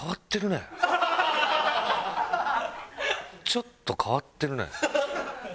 ちょっと変わってるね。